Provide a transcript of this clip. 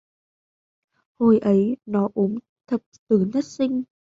Hồi ấy nó ốm thập tử Nhất Sinh